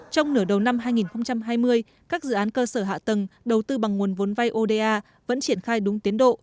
trong nửa đầu năm hai nghìn hai mươi các dự án cơ sở hạ tầng đầu tư bằng nguồn vốn vay oda vẫn triển khai đúng tiến độ